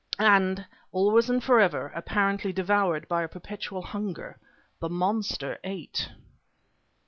And, always and forever, apparently devoured by a perpetual hunger, the monster ate.